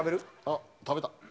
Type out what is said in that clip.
あっ食べた。